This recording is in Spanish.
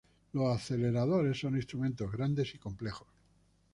Los aceleradores son instrumentos grandes y complejos.